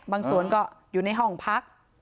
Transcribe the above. บางส่วนก็อยู่ในห้องพัก